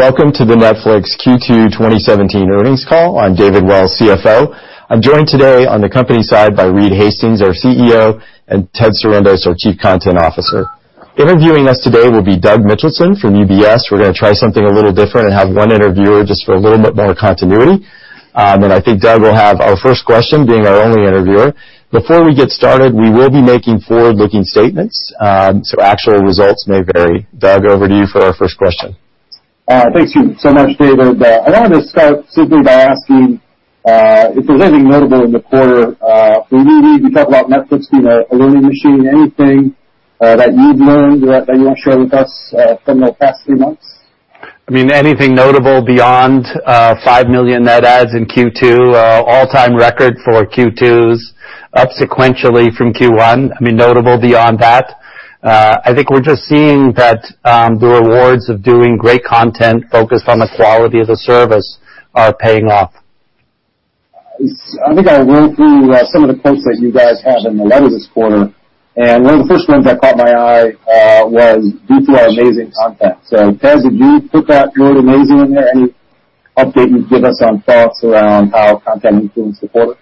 Welcome to the Netflix Q2 2017 earnings call. I'm David Wells, CFO. I'm joined today on the company side by Reed Hastings, our CEO, and Ted Sarandos, our Chief Content Officer. Interviewing us today will be Doug Mitchelson from UBS. We're going to try something a little different and have one interviewer just for a little bit more continuity. I think Doug will have our first question, being our only interviewer. Before we get started, we will be making forward-looking statements. Actual results may vary. Doug, over to you for our first question. Thanks so much, David. I wanted to start simply by asking if there's anything notable in the quarter. We know we've talked about Netflix being a learning machine. Anything that you've learned that you want to share with us from the past three months? Anything notable beyond 5 million net adds in Q2, all-time record for Q2s, up sequentially from Q1, notable beyond that? I think we're just seeing that the rewards of doing great content focused on the quality of the service are paying off. I think I went through some of the points that you guys had in the letter this quarter. One of the first ones that caught my eye was due to our amazing content. Ted, did you put that word "amazing" in there? Any update you can give us on thoughts around how content is being supported? Look,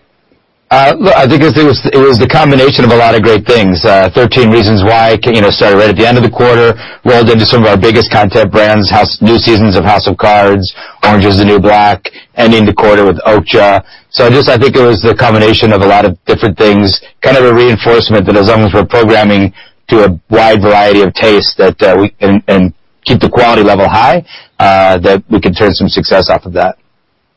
I think it was the combination of a lot of great things. "13 Reasons Why" started right at the end of the quarter, rolled into some of our biggest content brands, new seasons of "House of Cards," "Orange Is the New Black," ending the quarter with Okja. Just, I think it was the combination of a lot of different things, kind of a reinforcement that as long as we're programming to a wide variety of tastes and keep the quality level high, that we can turn some success off of that.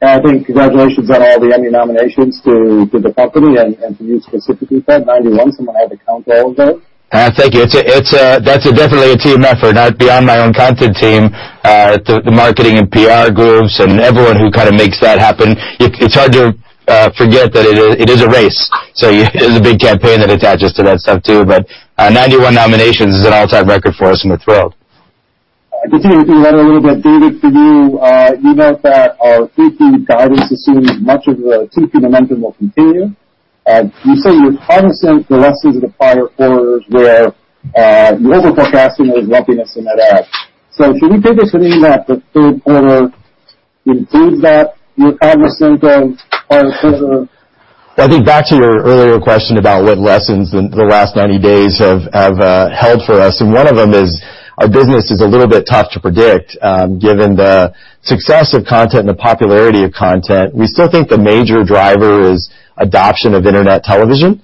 I think congratulations on all the Emmy nominations to the company and to you specifically, Ted, 91. Someone had to count all of those. Thank you. That's definitely a team effort, beyond my own content team, the marketing and PR groups and everyone who kind of makes that happen. It's hard to forget that it is a race. There's a big campaign that attaches to that stuff, too. 91 nominations is an all-time record for us and we're thrilled. I continue with you on that a little bit. David, for you wrote that our Q2 guidance assumes much of the Q2 momentum will continue. You say you're cognizant the lessons of the prior quarters where you're over-forecasting, there's lumpiness in that add. Can you take us through that, the third quarter, indeed that you're cognizant of our quarter? I think back to your earlier question about what lessons the last 90 days have held for us, one of them is our business is a little bit tough to predict, given the success of content and the popularity of content. We still think the major driver is adoption of internet television.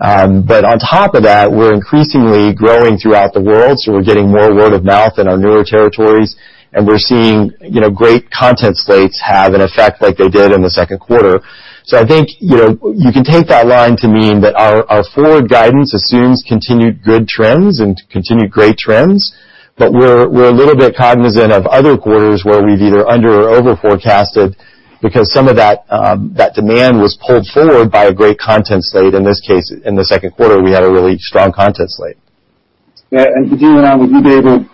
On top of that, we're increasingly growing throughout the world, so we're getting more word of mouth in our newer territories, and we're seeing great content slates have an effect like they did in the second quarter. I think you can take that line to mean that our forward guidance assumes continued good trends and continued great trends, but we're a little bit cognizant of other quarters where we've either under or over-forecasted because some of that demand was pulled forward by a great content slate. In this case, in the second quarter, we had a really strong content slate. Yeah. To dig around with you, David,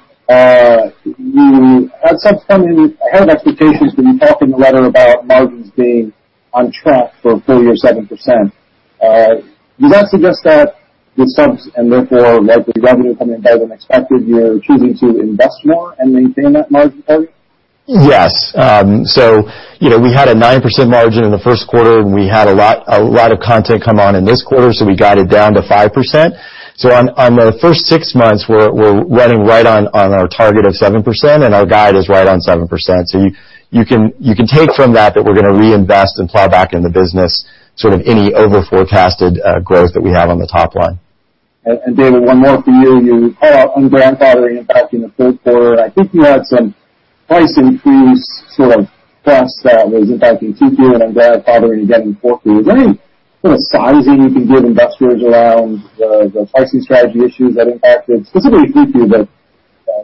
you had some strong ahead expectations when you talk in the letter about margins being on track for full year 7%. Does that suggest that the subs and therefore likely revenue coming in better than expected, you're choosing to invest more and maintain that margin target? Yes. We had a 9% margin in the first quarter, and we had a lot of content come on in this quarter, so we got it down to 5%. On the first six months, we're running right on our target of 7%, and our guide is right on 7%. You can take from that we're going to reinvest and plow back in the business, sort of any over-forecasted growth that we have on the top line. David, one more for you. You call out un-grandfathering impacting the fourth quarter. I think you had some price increase sort of costs that was impacting Q2 and un-grandfathering again in Q4. Is there any sort of sizing you can give investors around the pricing strategy issues that impacted specifically Q2, but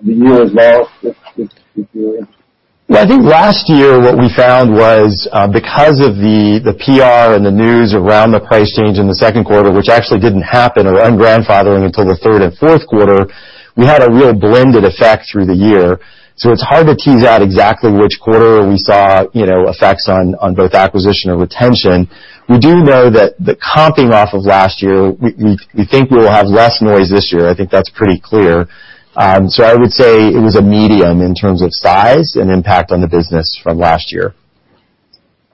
the year as well with Q2? I think last year what we found was because of the PR and the news around the price change in the second quarter, which actually didn't happen, or un-grandfathering until the third and fourth quarter, we had a real blended effect through the year. It's hard to tease out exactly which quarter we saw effects on both acquisition and retention. We do know that the comping off of last year, we think we will have less noise this year. I think that's pretty clear. I would say it was a medium in terms of size and impact on the business from last year.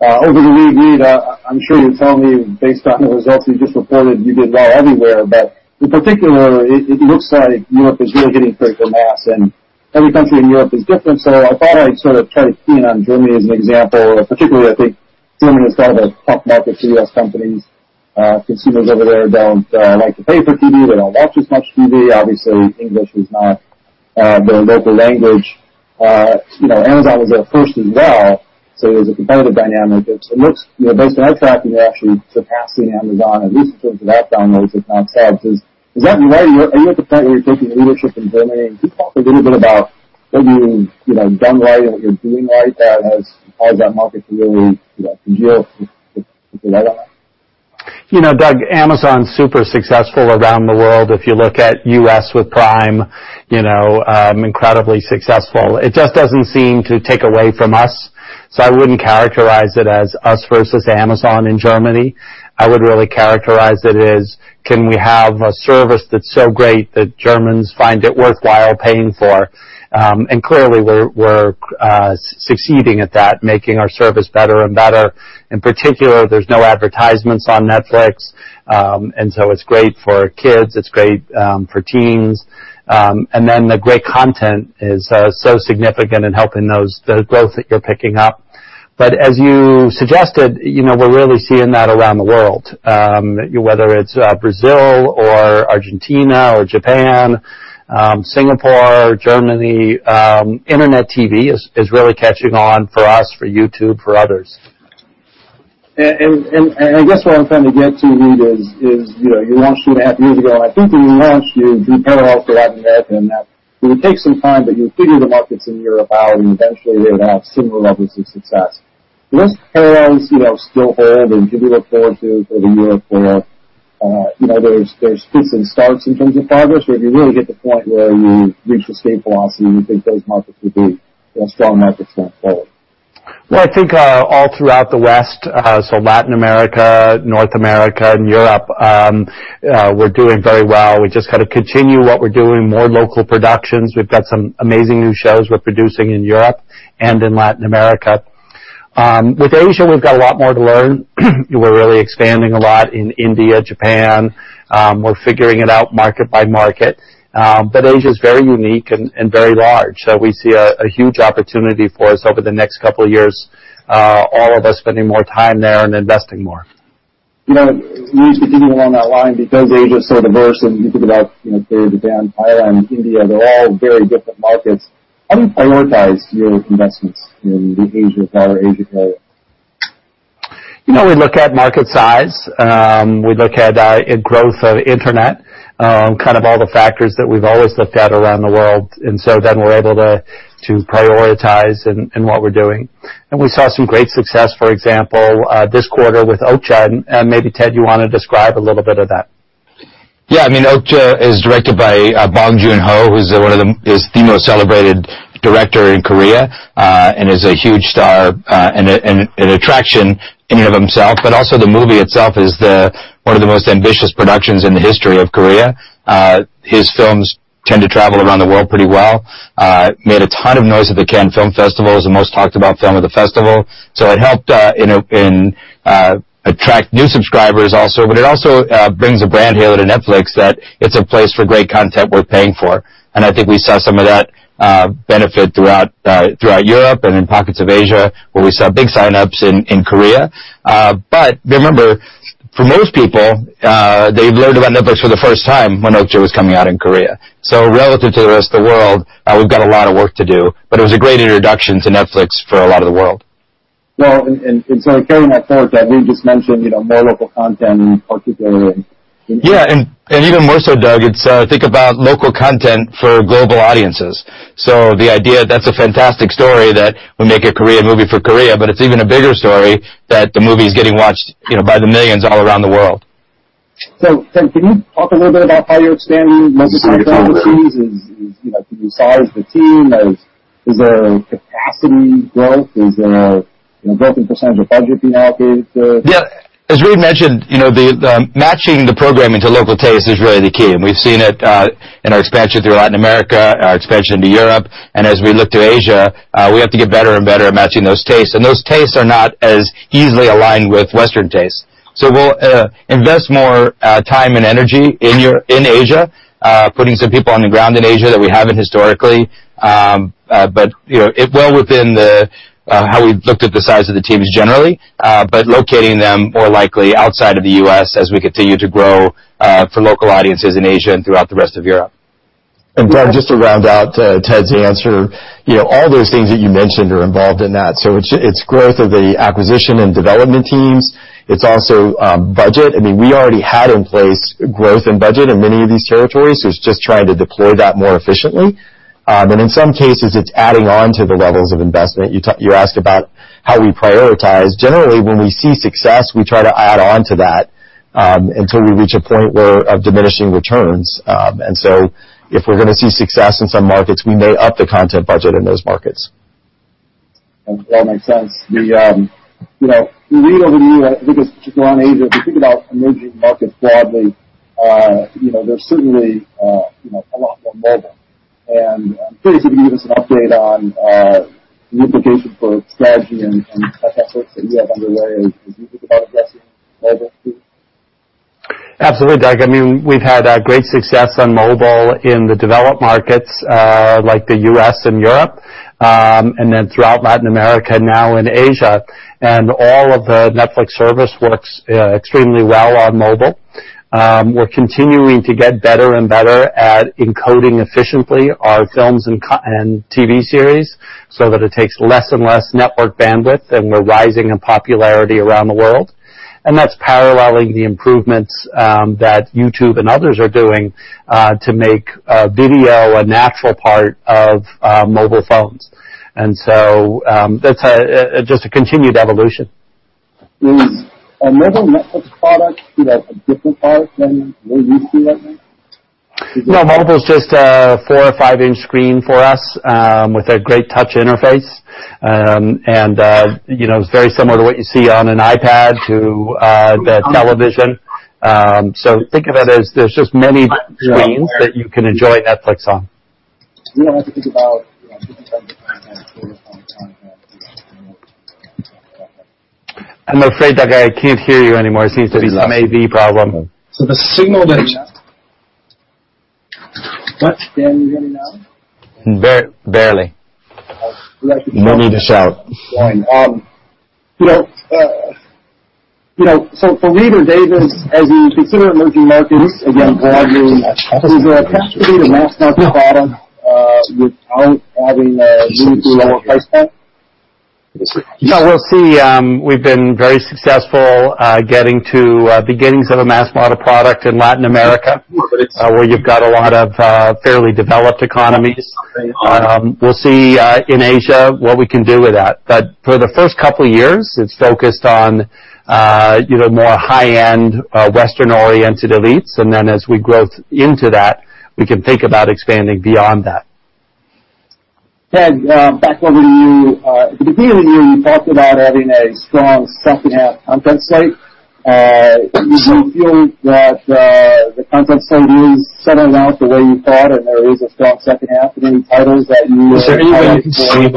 Over to you, Reed. I'm sure you'll tell me based on the results you just reported, you did well everywhere. In particular, it looks like Europe is really hitting critical mass, and every country in Europe is different. I thought I'd sort of try to key in on Germany as an example. Particularly, I think Germany is kind of a tough market for U.S. companies. Consumers over there don't like to pay for TV. They don't watch as much TV. Obviously, English is not their local language. Amazon was there first as well, so there's a competitive dynamic. It looks, based on our tracking, you're actually surpassing Amazon, at least in terms of app downloads, if not subs. Is that right? Are you at the point where you're taking leadership in Germany? Can you talk a little bit about what you've done right and what you're doing right as far as that market can really congeal with Netflix? Doug, Amazon's super successful around the world. If you look at the U.S. with Prime, incredibly successful. It just doesn't seem to take away from us. I wouldn't characterize it as us versus Amazon in Germany. I would really characterize it as, can we have a service that's so great that Germans find it worthwhile paying for? Clearly, we're succeeding at that, making our service better and better. In particular, there's no advertisements on Netflix, it's great for kids, it's great for teens. The great content is so significant in helping the growth that you're picking up. As you suggested, we're really seeing that around the world. Whether it's Brazil or Argentina or Japan, Singapore, Germany, internet TV is really catching on for us, for YouTube, for others. I guess where I'm trying to get to, Reed, is you launched two and a half years ago, and I think when you launched, you drew parallels to Latin America in that it would take some time, but you figure the markets in Europe out, and eventually they'd have similar levels of success. Do those parallels still hold and can we look forward to, for the year, there's decent starts in terms of progress? Have you really hit the point where you've reached a state velocity and you think those markets will be strong markets going forward? I think all throughout the West, so Latin America, North America, and Europe, we're doing very well. We've just got to continue what we're doing, more local productions. We've got some amazing new shows we're producing in Europe and in Latin America. With Asia, we've got a lot more to learn. We're really expanding a lot in India, Japan. We're figuring it out market by market. Asia's very unique and very large. We see a huge opportunity for us over the next couple of years, all of us spending more time there and investing more. Reed, continuing along that line, because Asia is so diverse, and you think about Korea, Japan, Thailand, India, they're all very different markets. How do you prioritize your investments in the Asia-Pac or Asia play? We look at market size. We look at growth of internet, kind of all the factors that we've always looked at around the world, we're able to prioritize in what we're doing. We saw some great success, for example, this quarter with Okja, and maybe, Ted, you want to describe a little bit of that? Yeah. I mean, Okja is directed by Bong Joon Ho, who's the most celebrated director in Korea and is a huge star and an attraction in and of himself. The movie itself is one of the most ambitious productions in the history of Korea. His films tend to travel around the world pretty well. Made a ton of noise at the Cannes Film Festival, was the most talked about film of the festival. It helped in attract new subscribers also, but it also brings a brand halo to Netflix that it's a place for great content worth paying for. I think we saw some of that benefit throughout Europe and in pockets of Asia, where we saw big sign-ups in Korea. Remember, for most people, they learned about Netflix for the first time when Okja was coming out in Korea. Relative to the rest of the world, we've got a lot of work to do, but it was a great introduction to Netflix for a lot of the world. Carrying that forward, that Reed just mentioned, more local content in particular. Yeah. Even more so, Doug, it's think about local content for global audiences. The idea, that's a fantastic story that we make a Korean movie for Korea, but it's even a bigger story that the movie's getting watched by the millions all around the world. Ted, can you talk a little bit about how you're expanding local content teams? Have you sized the team? Is there a capacity growth? Is there a growth in percentage of budget being allocated to Yeah. As Reed mentioned, the matching the programming to local taste is really the key, and we've seen it in our expansion through Latin America, our expansion to Europe, and as we look to Asia, we have to get better and better at matching those tastes. Those tastes are not as easily aligned with Western tastes. We'll invest more time and energy in Asia, putting some people on the ground in Asia that we haven't historically. Well within how we've looked at the size of the teams generally, but locating them more likely outside of the U.S. as we continue to grow for local audiences in Asia and throughout the rest of Europe. Doug, just to round out Ted's answer, all those things that you mentioned are involved in that. It's growth of the acquisition and development teams. It's also budget. I mean, we already had in place growth in budget in many of these territories, so it's just trying to deploy that more efficiently. In some cases, it's adding on to the levels of investment. You asked about how we prioritize. Generally, when we see success, we try to add on to that until we reach a point of diminishing returns. If we're going to see success in some markets, we may up the content budget in those markets. That makes sense. Reed, over to you. I think it's particularly on Asia, if we think about emerging markets broadly, they're certainly a lot more mobile. I'm curious if you can give us an update on the implication for strategy and test sorts that you have underway as you think about addressing mobile too. Absolutely, Doug. We've had great success on mobile in the developed markets like the U.S. and Europe, then throughout Latin America, now in Asia. All of the Netflix service works extremely well on mobile. We're continuing to get better and better at encoding efficiently our films and TV series so that it takes less and less network bandwidth, and we're rising in popularity around the world. That's paralleling the improvements that YouTube and others are doing to make video a natural part of mobile phones. That's just a continued evolution. Is a mobile Netflix product a different product than what you see right now? No, mobile is just a four or five-inch screen for us with a great touch interface, and it's very similar to what you see on an iPad to the television. Think of it as there's just many screens that you can enjoy Netflix on. You don't have to think about different types of content. I'm afraid, Doug, I can't hear you anymore. It seems to be some AV problem. The signal- What, Doug? Can you hear me now? Barely. Okay. No need to shout. Fine. For Reed or David, as you consider emerging markets, again broadly, is your capacity to mass market product with talent having a limiting lower price point? Yeah, we'll see. We've been very successful getting to beginnings of a mass market product in Latin America, where you've got a lot of fairly developed economies. We'll see in Asia what we can do with that. For the first couple of years, it's focused on more high-end, Western-oriented elites. As we grow into that, we can think about expanding beyond that. Ted, back over to you. At the beginning of the year, you talked about having a strong second half content slate. Do you feel that the content slate is settling out the way you thought, and there is a strong second half? Are there any titles that you are excited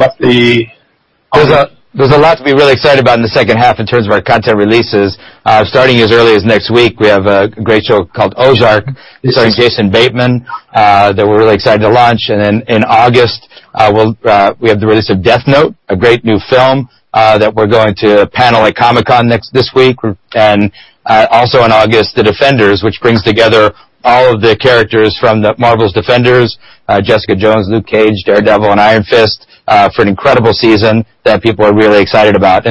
for? There's a lot to be really excited about in the second half in terms of our content releases. Starting as early as next week, we have a great show called "Ozark" starring Jason Bateman that we're really excited to launch. In August, we have the release of "Death Note," a great new film that we're going to panel at Comic-Con this week. In August, "The Defenders," which brings together all of the characters from Marvel's Defenders, Jessica Jones, Luke Cage, Daredevil, and Iron Fist, for an incredible season that people are really excited about.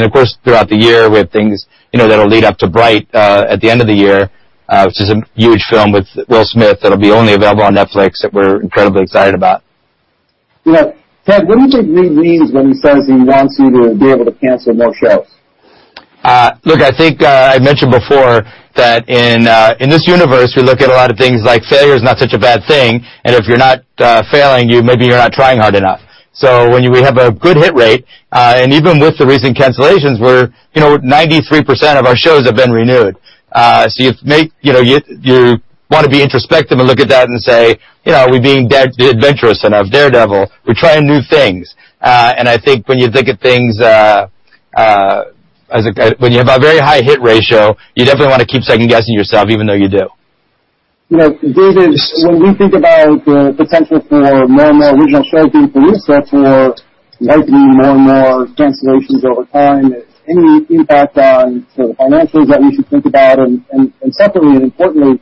Throughout the year, we have things that'll lead up to "Bright" at the end of the year, which is a huge film with Will Smith that'll be only available on Netflix, that we're incredibly excited about. Ted, what did Reed mean when he says he wants you to be able to cancel more shows? Look, I think I mentioned before that in this universe, we look at a lot of things like failure is not such a bad thing, and if you're not failing, maybe you're not trying hard enough. When we have a good hit rate, and even with the recent cancellations, 93% of our shows have been renewed. You want to be introspective and look at that and say, "Are we being adventurous enough? Daredevil. We're trying new things." I think when you have a very high hit ratio, you definitely want to keep second-guessing yourself, even though you do. David, when we think about the potential for more and more original shows being produced, that's more likely more and more cancellations over time. Is any impact on the financials that we should think about? Separately and importantly,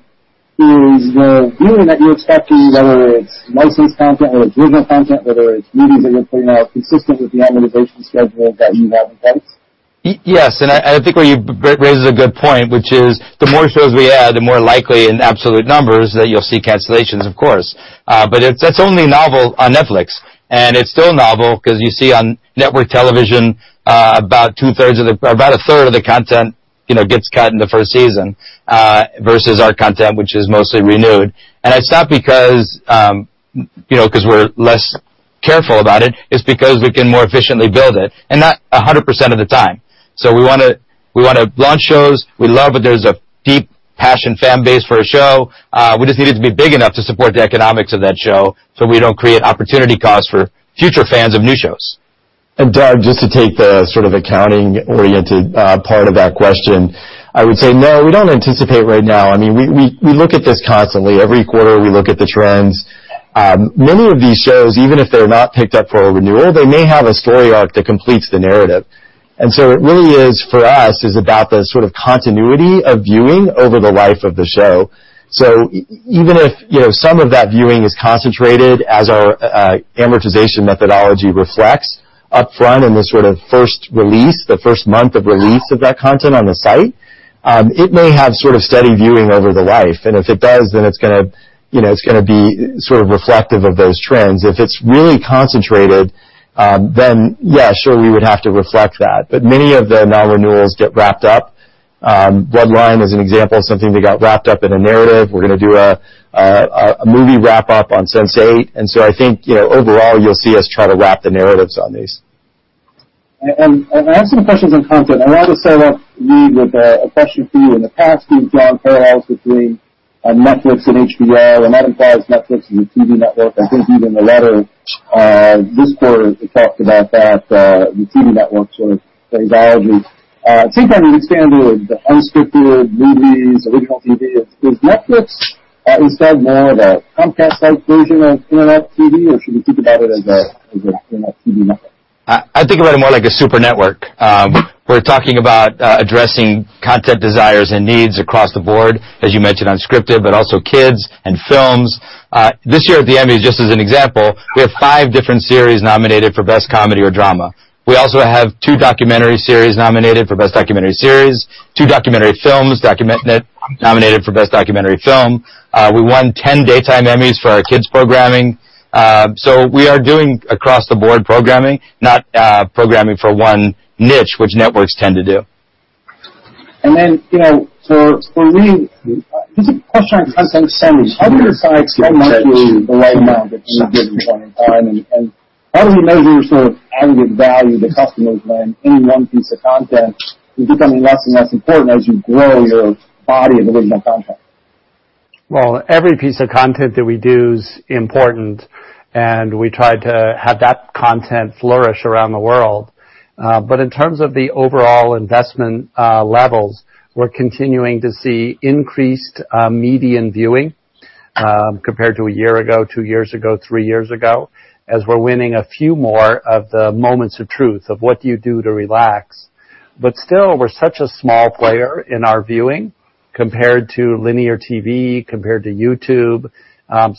is the viewing that you're expecting, whether it's licensed content, whether it's original content, whether it's movies that you're putting out, consistent with the amortization schedule that you have in place? Yes. I think where you raise a good point, which is the more shows we add, the more likely in absolute numbers that you'll see cancellations, of course. That's only novel on Netflix, and it's still novel because you see on network television, about a third of the content gets cut in the first season versus our content, which is mostly renewed. It's not because we're less careful about it. It's because we can more efficiently build it, not 100% of the time. We want to launch shows. We love it. There's a deep passion fan base for a show. We just need it to be big enough to support the economics of that show so we don't create opportunity costs for future fans of new shows. Doug, just to take the accounting-oriented part of that question, I would say no, we don't anticipate right now. We look at this constantly. Every quarter, we look at the trends. Many of these shows, even if they're not picked up for a renewal, they may have a story arc that completes the narrative. It really is, for us, is about the continuity of viewing over the life of the show. Even if some of that viewing is concentrated, as our amortization methodology reflects upfront in the first release, the first month of release of that content on the site, it may have steady viewing over the life. If it does, then it's going to be reflective of those trends. If it's really concentrated, yes, sure, we would have to reflect that. Many of the non-renewals get wrapped up. Bloodline is an example of something that got wrapped up in a narrative. We're going to do a movie wrap up on Sense8. I think overall, you'll see us try to wrap the narratives on these. I have some questions on content. I want to start off, Reed, with a question for you. In the past, you've drawn parallels between Netflix and HBO, and that implies Netflix as a TV network. I think even the letter this quarter, it talked about that, the TV network sort of analogy. Same thing when you expand to unscripted movies, original TV. Is Netflix instead more of a Comcast-like version of linear TV, or should we think about it as a linear TV network? I think about it more like a super network. We're talking about addressing content desires and needs across the board, as you mentioned, unscripted, but also kids and films. This year at the Emmys, just as an example, we have five different series nominated for Best Comedy or Drama. We also have two documentary series nominated for Best Documentary Series, two documentary films nominated for Best Documentary Film. We won 10 Daytime Emmys for our kids' programming. We are doing across-the-board programming, not programming for one niche, which networks tend to do. For me, there's a question on content spend. How do you decide so much of the rollout at any given point in time, and how do you measure your sort of aggregate value to customers when any one piece of content is becoming less and less important as you grow your body of original content? Well, every piece of content that we do is important, and we try to have that content flourish around the world. In terms of the overall investment levels, we're continuing to see increased median viewing compared to a year ago, two years ago, three years ago, as we're winning a few more of the moments of truth of what you do to relax. Still, we're such a small player in our viewing compared to linear TV, compared to YouTube.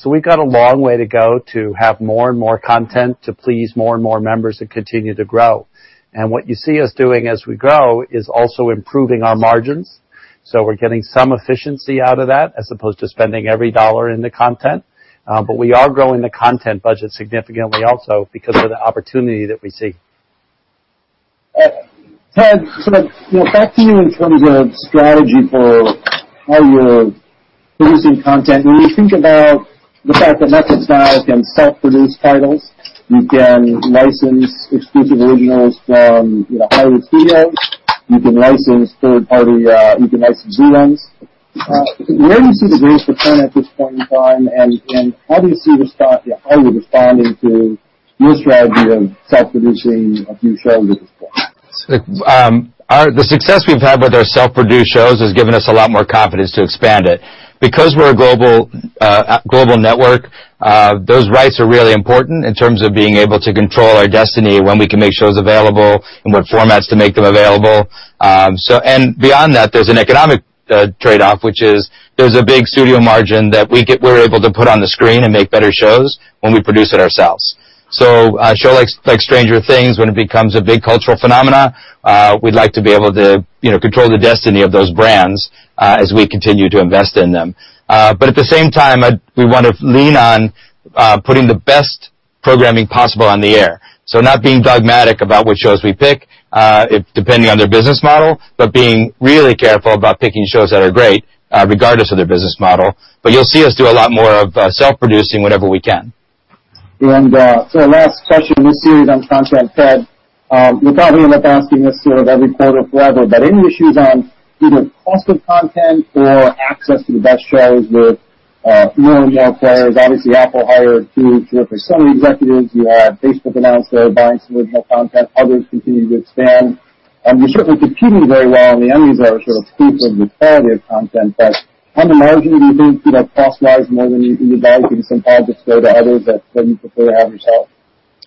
We've got a long way to go to have more and more content to please more and more members and continue to grow. What you see us doing as we grow is also improving our margins. We're getting some efficiency out of that as opposed to spending every dollar in the content. We are growing the content budget significantly also because of the opportunity that we see. Ted, back to you in terms of strategy for how you're producing content. When you think about the fact that Netflix now can self-produce titles, you can license exclusive originals from Hollywood studios, you can license third party, you can license genre ones. Where do you see the greatest return at this point in time, and how are you responding to your strategy of self-producing a few shows at this point? The success we've had with our self-produced shows has given us a lot more confidence to expand it. Because we're a global network, those rights are really important in terms of being able to control our destiny, when we can make shows available, in what formats to make them available. Beyond that, there's an economic trade-off, which is there's a big studio margin that we're able to put on the screen and make better shows when we produce it ourselves. A show like "Stranger Things," when it becomes a big cultural phenomena, we'd like to be able to control the destiny of those brands as we continue to invest in them. At the same time, we want to lean on putting the best programming possible on the air. Not being dogmatic about which shows we pick, depending on their business model, but being really careful about picking shows that are great regardless of their business model. You'll see us do a lot more of self-producing whenever we can. The last question in this series on content, Ted. You'll probably end up asking this sort of every quarter forever, but any issues on either cost of content or access to the best shows with more and more players? Obviously, Apple hired two terrific Sony executives, you have Facebook announced they're buying some original content, others continuing to expand. You're certainly competing very well on the Emmys are sort of proof of the quality of content. On the margin, do you think, cost-wise more than you can be bought because sometimes it's fair to others that what you prefer to have yourself?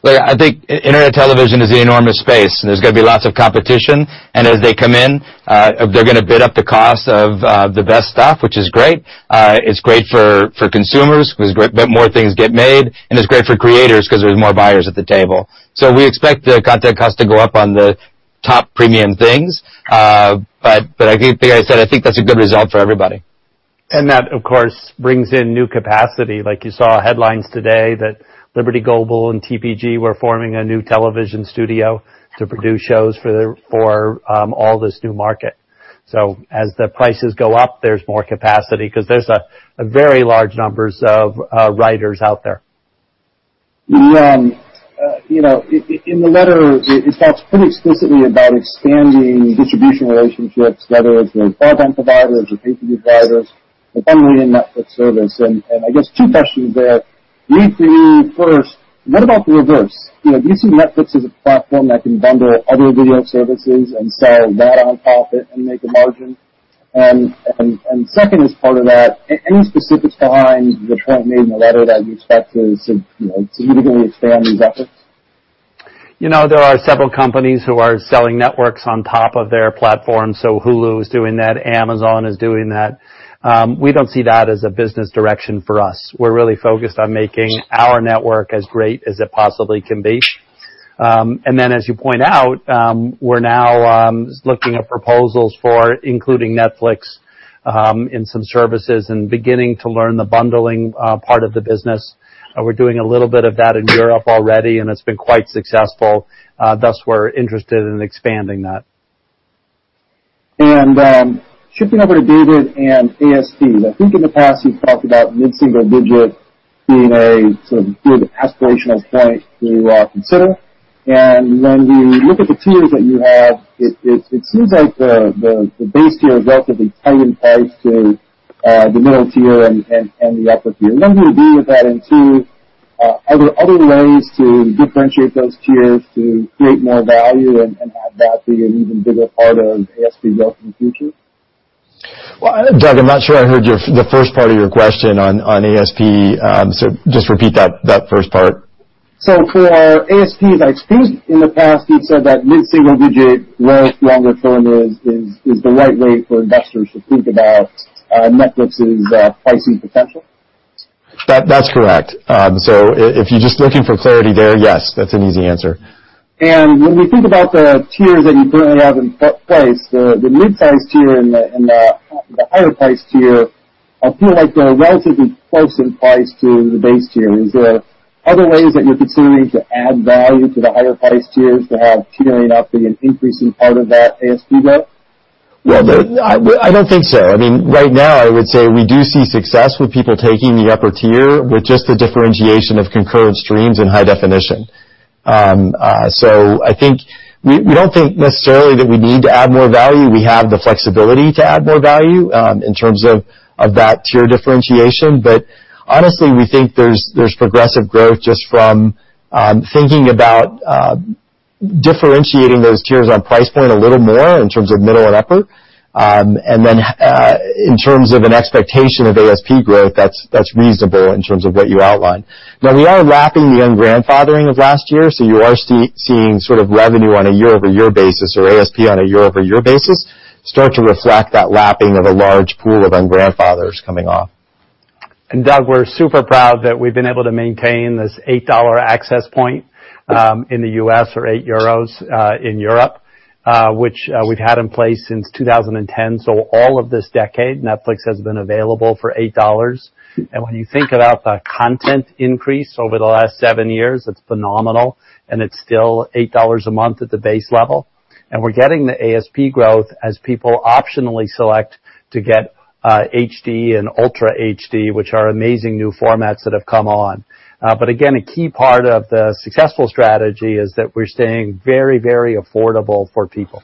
I think internet television is an enormous space. There's going to be lots of competition. As they come in, they're going to bid up the cost of the best stuff, which is great. It's great for consumers because more things get made. It's great for creators because there's more buyers at the table. We expect the content cost to go up on the top premium things. Like I said, I think that's a good result for everybody. That, of course, brings in new capacity. Like you saw headlines today that Liberty Global and TPG were forming a new television studio to produce shows for all this new market. As the prices go up, there's more capacity because there's very large numbers of writers out there. In the letter, it talks pretty explicitly about expanding distribution relationships, whether it's with broadband providers or pay TV providers, the bundling Netflix service. I guess two questions there. Reed, to you first, what about the reverse? Do you see Netflix as a platform that can bundle other video services and sell that on top and make a margin? Second, as part of that, any specific times the point made in the letter that you expect to significantly expand these efforts? There are several companies who are selling networks on top of their platform. Hulu is doing that, Amazon is doing that. We don't see that as a business direction for us. We're really focused on making our network as great as it possibly can be. Then, as you point out, we're now looking at proposals for including Netflix in some services and beginning to learn the bundling part of the business. We're doing a little bit of that in Europe already. It's been quite successful. Thus, we're interested in expanding that. Shifting over to David and ASPs. I think in the past, you've talked about mid-single digit being a sort of good aspirational point to consider. When we look at the tiers that you have, it seems like the base tier is relatively tied in price to the middle tier and the upper tier. What do you do with that? Two, are there other ways to differentiate those tiers to create more value and have that be an even bigger part of ASP growth in the future? Well, Doug, I'm not sure I heard the first part of your question on ASP. Just repeat that first part. For ASPs, I think in the past, you've said that mid-single digit growth longer term is the right way for investors to think about Netflix's pricing potential. That's correct. If you're just looking for clarity there, yes, that's an easy answer. When we think about the tiers that you currently have in place, the mid-price tier and The higher priced tier feel like they're relatively close in price to the base tier. Is there other ways that you're considering to add value to the higher priced tiers to have tiering up be an increasing part of that ASP growth? Well, I don't think so. Right now, I would say we do see success with people taking the upper tier with just the differentiation of concurrent streams and high definition. We don't think necessarily that we need to add more value. We have the flexibility to add more value in terms of that tier differentiation. Honestly, we think there's progressive growth just from thinking about differentiating those tiers on price point a little more in terms of middle and upper. Then in terms of an expectation of ASP growth, that's reasonable in terms of what you outlined. We are lapping the un-grandfathering of last year, you are seeing sort of revenue on a year-over-year basis or ASP on a year-over-year basis start to reflect that lapping of a large pool of un-grandfathers coming off. Doug, we're super proud that we've been able to maintain this $8 access point in the U.S. or 8 euros in Europe, which we've had in place since 2010. All of this decade, Netflix has been available for $8. When you think about the content increase over the last seven years, it's phenomenal, and it's still $8 a month at the base level. We're getting the ASP growth as people optionally select to get HD and Ultra HD, which are amazing new formats that have come on. Again, a key part of the successful strategy is that we're staying very affordable for people.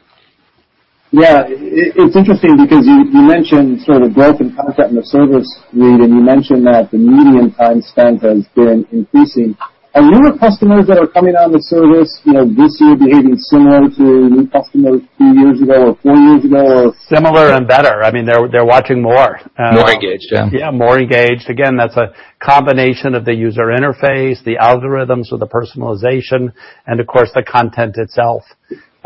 It's interesting because you mentioned sort of growth in content and the service, Reed, you mentioned that the median time spent has been increasing. Are newer customers that are coming on the service this year behaving similar to new customers three years ago or four years ago? Similar and better. They're watching more. More engaged, yeah. Yeah, more engaged. Again, that's a combination of the user interface, the algorithms or the personalization and of course, the content itself.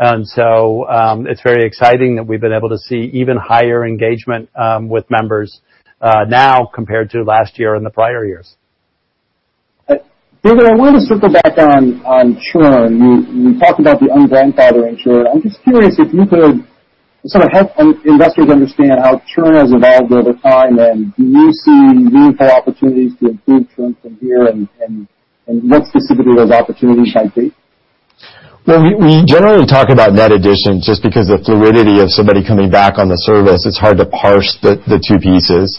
It's very exciting that we've been able to see even higher engagement with members now compared to last year and the prior years. David, I wanted to circle back on churn. You talked about the un-grandfathering churn. I'm just curious if you could sort of help investors understand how churn has evolved over time, and do you see meaningful opportunities to improve churn from here and what specifically those opportunities might be? We generally talk about net additions just because the fluidity of somebody coming back on the service, it's hard to parse the two pieces.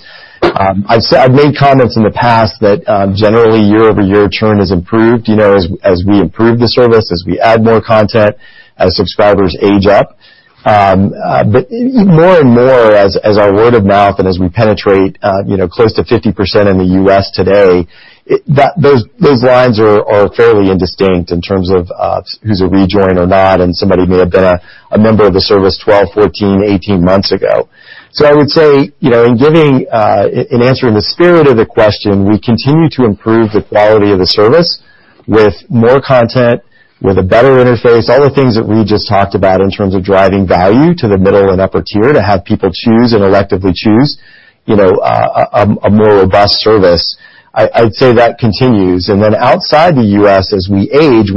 I've made comments in the past that generally year-over-year churn has improved, as we improve the service, as we add more content, as subscribers age up. More and more as our word of mouth and as we penetrate close to 50% in the U.S. today, those lines are fairly indistinct in terms of who's a rejoin or not, and somebody may have been a member of the service 12, 14, 18 months ago. I would say, in giving an answer in the spirit of the question, we continue to improve the quality of the service with more content, with a better interface, all the things that Reed just talked about in terms of driving value to the middle and upper tier to have people choose and electively choose a more robust service. I'd say that continues. Outside the U.S., as we age,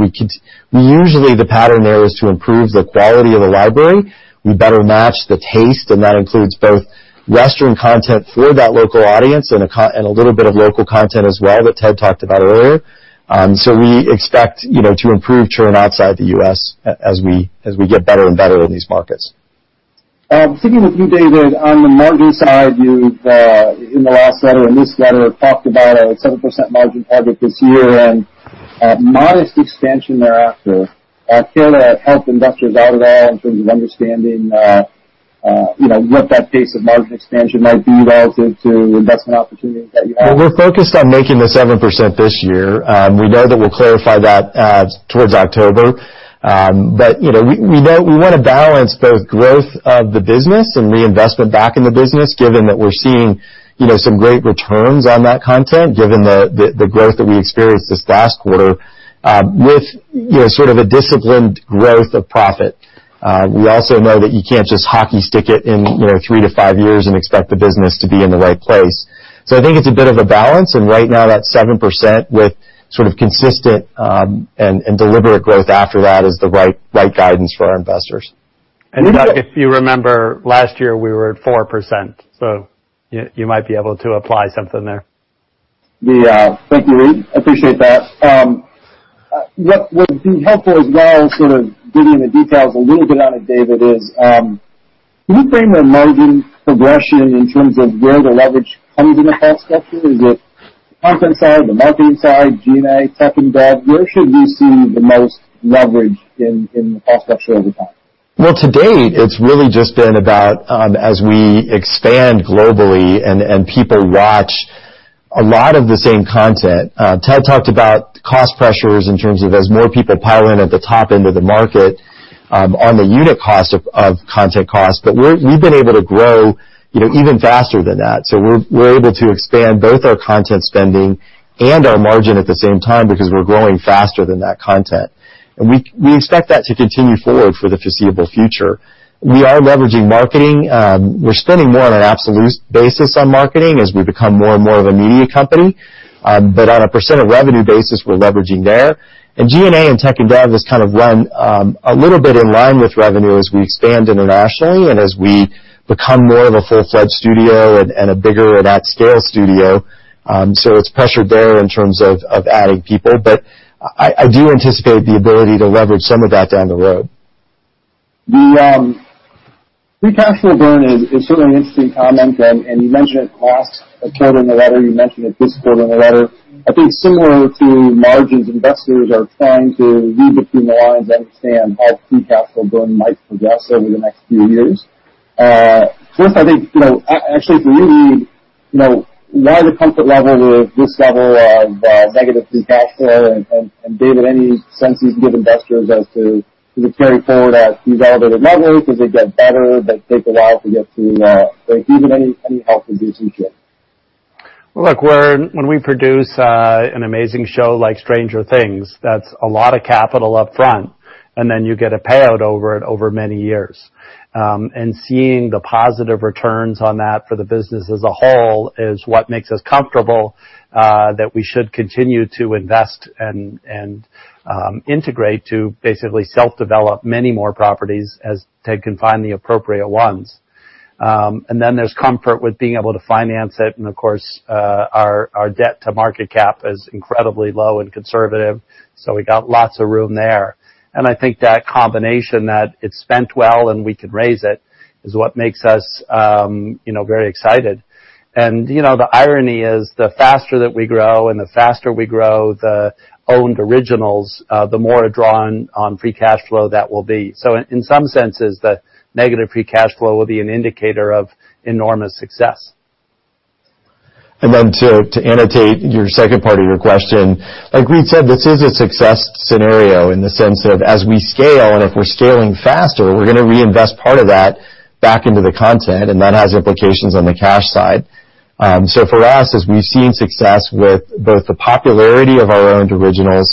usually the pattern there is to improve the quality of the library. We better match the taste, and that includes both Western content for that local audience and a little bit of local content as well that Ted talked about earlier. We expect to improve churn outside the U.S. as we get better and better in these markets. Sticking with you, David, on the margin side, you've in the last letter, in this letter, talked about a 7% margin target this year and a modest expansion thereafter. Care to help investors out at all in terms of understanding what that pace of margin expansion might be relative to investment opportunities that you have? We're focused on making the 7% this year. We know that we'll clarify that towards October. We want to balance both growth of the business and reinvestment back in the business, given that we're seeing some great returns on that content, given the growth that we experienced this last quarter with sort of a disciplined growth of profit. We also know that you can't just hockey stick it in three to five years and expect the business to be in the right place. I think it's a bit of a balance, and right now that 7% with sort of consistent and deliberate growth after that is the right guidance for our investors. Doug, if you remember last year we were at 4%, you might be able to apply something there. Yeah. Thank you, Reed. Appreciate that. What would be helpful as well, sort of getting the details a little bit on it, David, is can you frame the margin progression in terms of where the leverage comes in the cost structure? Is it the content side, the marketing side, G&A, tech and dev? Where should we see the most leverage in the cost structure over time? Well, to date, it's really just been about as we expand globally and people watch a lot of the same content. Ted talked about cost pressures in terms of as more people pile in at the top end of the market on the unit cost of content costs. We've been able to grow even faster than that. We're able to expand both our content spending and our margin at the same time because we're growing faster than that content. We expect that to continue forward for the foreseeable future. We are leveraging marketing. We're spending more on an absolute basis on marketing as we become more and more of a media company. On a % of revenue basis, we're leveraging there. G&A and tech and dev has kind of run a little bit in line with revenue as we expand internationally and as we become more of a full-fledged studio and a bigger and at-scale studio. It's pressure there in terms of adding people. I do anticipate the ability to leverage some of that down the road. The free cash flow burn is certainly an interesting comment, you mentioned it last quarter in the letter, you mentioned it this quarter in the letter. I think similar to margins, investors are trying to read between the lines and understand how free cash flow burn might progress over the next few years. First, I think, actually, for you, Reed, why the comfort level with this level of negative free cash flow? David, any sense you can give investors as to, does it carry forward at these elevated levels? Does it get better, but take a while to get to break even? Any help would be appreciated. Look, when we produce an amazing show like "Stranger Things," that's a lot of capital up front, then you get a payout over it over many years. Seeing the positive returns on that for the business as a whole is what makes us comfortable that we should continue to invest and integrate to basically self-develop many more properties as Ted can find the appropriate ones. Then there's comfort with being able to finance it, of course, our debt to market cap is incredibly low and conservative, so we got lots of room there. I think that combination, that it's spent well and we could raise it, is what makes us very excited. The irony is the faster that we grow and the faster we grow the owned originals, the more a draw on free cash flow that will be. In some senses, the negative free cash flow will be an indicator of enormous success. Then to annotate your second part of your question, like Reed said, this is a success scenario in the sense of as we scale and if we're scaling faster, we're going to reinvest part of that back into the content, that has implications on the cash side. For us, as we've seen success with both the popularity of our owned originals,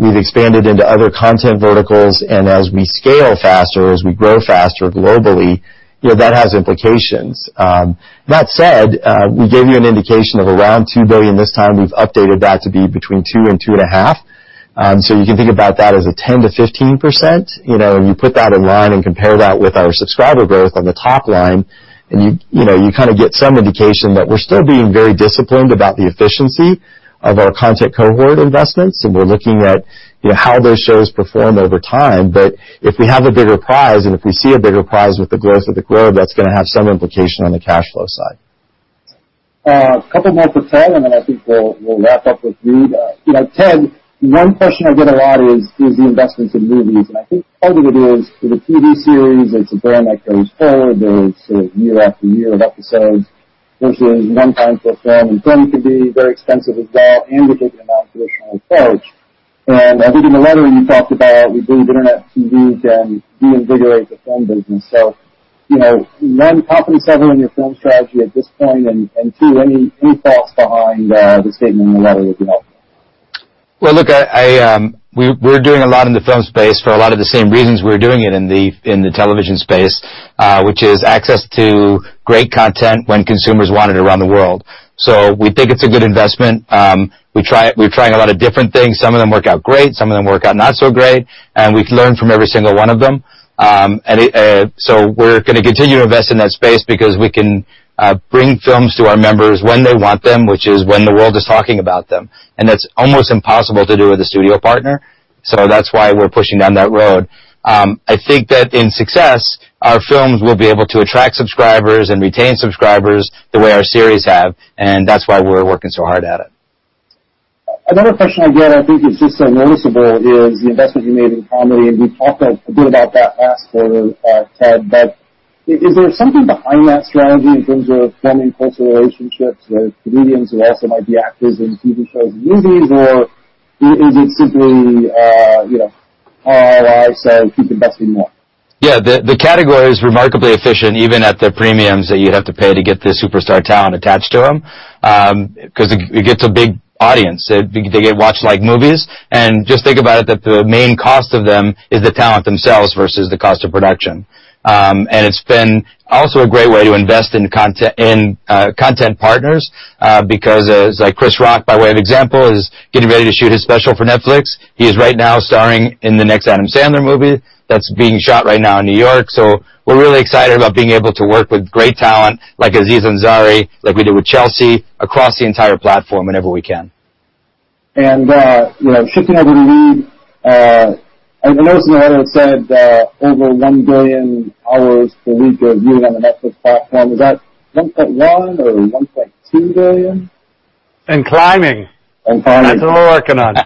we've expanded into other content verticals, as we scale faster, as we grow faster globally, that has implications. That said, we gave you an indication of around $2 billion this time. We've updated that to be between $2 billion and $2.5 billion. You can think about that as a 10%-15%. When you put that in line and compare that with our subscriber growth on the top line, you kind of get some indication that we're still being very disciplined about the efficiency of our content cohort investments, we're looking at how those shows perform over time. If we have a bigger prize, if we see a bigger prize with the growth of the globe, that's going to have some implication on the cash flow side. A couple more for Ted, then I think we'll wrap up with Reed. Ted, one question I get a lot is the investments in movies. I think part of it is with a TV series, it's a brand that goes forward. There's year after year of episodes versus one-time for a film. Film could be very expensive as well and require an amount of additional approach. I think in the letter you talked about, you believe internet TV can reinvigorate the film business. One, confidence level in your film strategy at this point, two, any thoughts behind the statement in the letter would be helpful. Well, look, we're doing a lot in the film space for a lot of the same reasons we're doing it in the television space, which is access to great content when consumers want it around the world. We think it's a good investment. We're trying a lot of different things. Some of them work out great, some of them work out not so great, we've learned from every single one of them. We're going to continue to invest in that space because we can bring films to our members when they want them, which is when the world is talking about them. That's almost impossible to do with a studio partner. That's why we're pushing down that road. I think that in success, our films will be able to attract subscribers and retain subscribers the way our series have, that's why we're working so hard at it. Another question I get, I think it's just so noticeable, is the investment you made in comedy, and we talked a bit about that last quarter, Ted, but is there something behind that strategy in terms of forming closer relationships with comedians who also might be actors in TV shows and movies, or is it simply ROI, so keep investing more? Yeah. The category is remarkably efficient, even at the premiums that you'd have to pay to get the superstar talent attached to them. It gets a big audience. They get watched like movies. Just think about it, that the main cost of them is the talent themselves versus the cost of production. It's been also a great way to invest in content partners, because like Chris Rock, by way of example, is getting ready to shoot his special for Netflix. He is right now starring in the next Adam Sandler movie that's being shot right now in New York. We're really excited about being able to work with great talent like Aziz Ansari, like we did with Chelsea, across the entire platform whenever we can. Shifting over to Reed. I noticed in the letter it said over 1 billion hours per week of viewing on the Netflix platform. Is that 1.1 or 1.2 billion? Climbing. climbing. That's what we're working on. All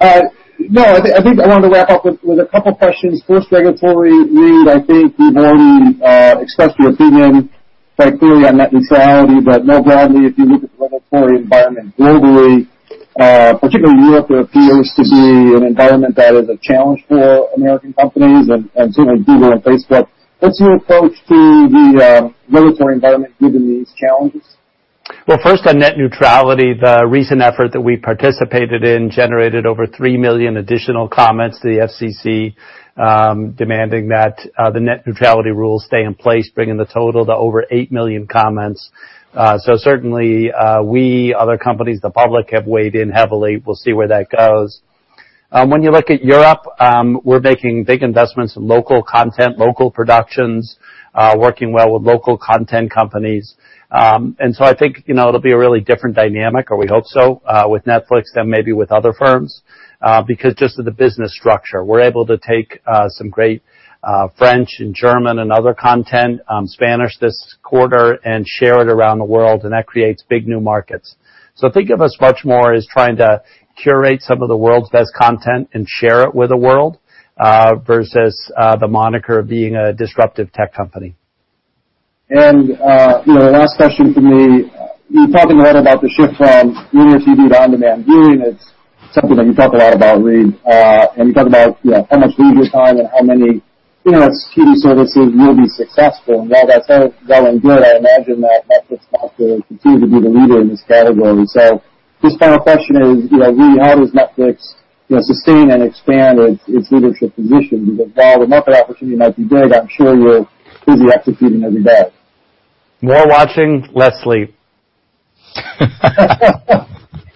right. I think I wanted to wrap up with a couple of questions. First, regulatory, Reed, I think you've already expressed your opinion quite clearly on net neutrality, but more broadly, if you look at the regulatory environment globally, particularly Europe, there appears to be an environment that is a challenge for American companies and seemingly Google and Facebook. What's your approach to the regulatory environment given these challenges? Well, first on net neutrality, the recent effort that we participated in generated over 3 million additional comments to the FCC, demanding that the net neutrality rules stay in place, bringing the total to over 8 million comments. Certainly we, other companies, the public have weighed in heavily. We'll see where that goes. When you look at Europe, we're making big investments in local content, local productions, working well with local content companies. I think it'll be a really different dynamic, or we hope so, with Netflix than maybe with other firms, because just of the business structure. We're able to take some great French and German and other content, Spanish this quarter, and share it around the world, and that creates big new markets. Think of us much more as trying to curate some of the world's best content and share it with the world, versus the moniker of being a disruptive tech company. Last question from me. You're talking a lot about the shift from linear TV to on-demand viewing. It's something that you talk a lot about, Reed. You talk about how much viewer time and how many TV services will be successful. While that's all well and good, I imagine that Netflix will have to continue to be the leader in this category. Just final question is, Reed, how does Netflix sustain and expand its leadership position? Because while the market opportunity might be big, I'm sure you're busy executing every day. More watching, less sleep.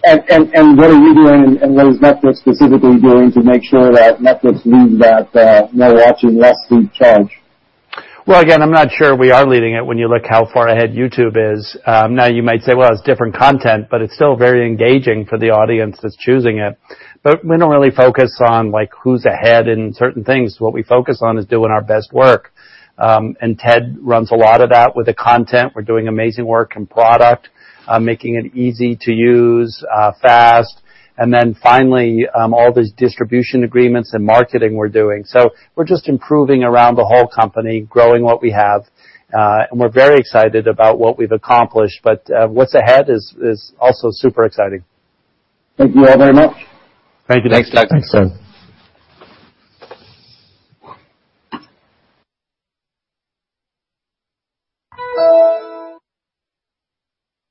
What are you doing, and what is Netflix specifically doing to make sure that Netflix leads that more watching, less sleep charge? Well, again, I'm not sure we are leading it when you look how far ahead YouTube is. You might say, "Well, it's different content," but it's still very engaging for the audience that's choosing it. We don't really focus on who's ahead in certain things. What we focus on is doing our best work. Ted runs a lot of that with the content. We're doing amazing work in product, making it easy to use, fast. Finally, all these distribution agreements and marketing we're doing. We're just improving around the whole company, growing what we have. We're very excited about what we've accomplished, but what's ahead is also super exciting. Thank you all very much. Thank you. Thanks, Doug. Thanks, Doug.